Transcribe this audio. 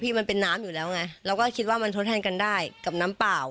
มันเป็นน้ำอยู่แล้วไงเราก็คิดว่ามันทดแทนกันได้กับน้ำเปล่า